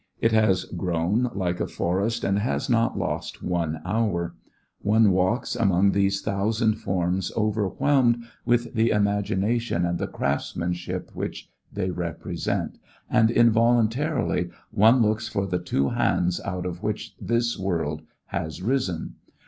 It has grown like a forest and has not lost one hour. One walks among these thousand forms overwhelmed with the imagination and the craftsmanship which they represent, and involuntarily one looks for the two hands out of which this world has risen.